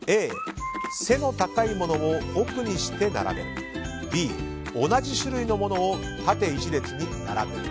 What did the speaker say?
Ａ、背の高いものを奥にして並べるＢ、同じ種類のものを縦１列に並べる。